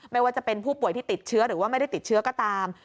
ไม่ว่าจะเป็นผู้ป่วยที่ติดเชื้อหรือว่าไม่ได้ติดเชื้อก็ตาม